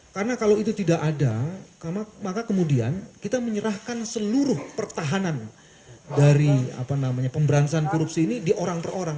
karena kalau itu tidak ada maka kemudian kita menyerahkan seluruh pertahanan dari pemberantasan korupsi ini di orang per orang